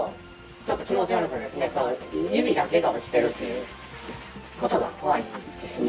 ちょっと気持ち悪さですね、指だけが落ちてるっていうことが怖いですね。